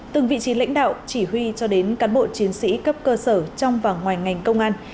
từng vị trí lãnh đạo chỉ huy cho đến cán bộ chiến sĩ cấp cơ sở trong và ngoài ngành công an